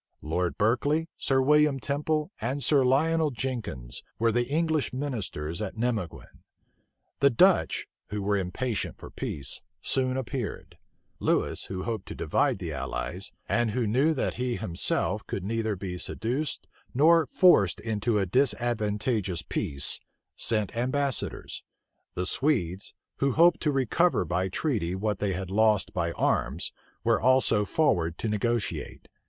Lord Berkeley, Sir William Temple, and Sir Lionel Jenkins were the English ministers at Nimeguen. The Dutch, who were impatient for peace, soon appeared: Lewis, who hoped to divide the allies, and who knew that he himself could neither be seduced nor forced into a disadvantageous peace, sent ambassadors: the Swedes, who hoped to recover by treaty what they had lost by arms, were also forward to negotiate.